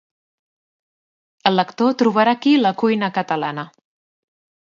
El lector trobarà aquí la cuina catalana